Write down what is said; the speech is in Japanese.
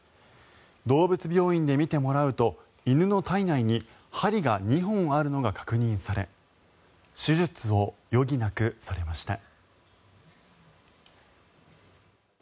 動物病院で診てもらうと犬の体内に針が２本あるのが確認され手術を余儀なくされました。